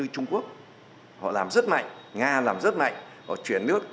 trung quốc chuyển từ phía nam phía bắc nga chuyển nước